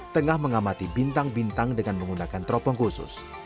tengah mengamati bintang bintang dengan menggunakan teropong khusus